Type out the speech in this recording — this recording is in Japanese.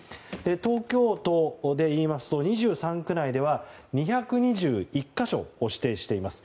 東京都でいいますと２３区内では２２１か所を指定しています。